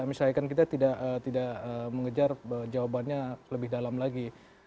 misalkan kita tidak mengejar jawabannya lebih dalam lagi